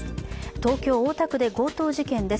東京・大田区で強盗事件です。